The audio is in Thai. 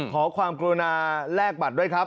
ขอความกรุณาแลกบัตรด้วยครับ